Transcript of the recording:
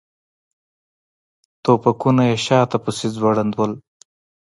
ټوپکونه یې شاته پسې ځوړند ول.